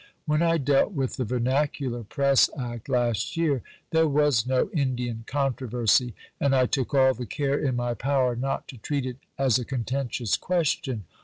When I dealt with the Vernacular Press Act last year, there was no Indian controversy, and I took all the care in my power not to treat it as a contentious question.